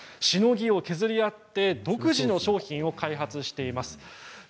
しのぎを削り合って独自の商品を開発しています。